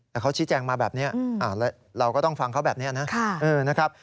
แต่เขาชี้แจงมาแบบนี้เราก็ต้องฟังเขาแบบนี้นะครับ